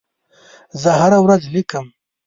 زه هره ورځ لیکم.